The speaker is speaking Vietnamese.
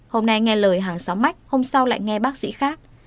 hôm nay nghe lời hàng xóm mách hôm sau lại nghe bác sĩ khác